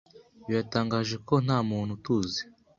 Biratangaje ko ntamuntu utuzi.